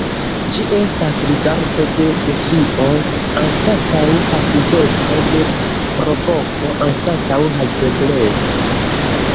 Ĝi estas rigardo de defio anstataŭ pasiveco, de provoko anstataŭ havebleco.